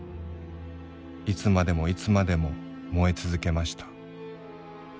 いつまでもいつまでも燃えつゞけました。